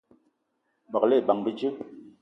Begela ebag bíjé